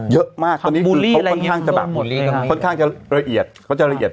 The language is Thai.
เยอะมากอันนี้พูดมูลลีนะเขาค่อนข้างจะแบบเขาจะละเหียด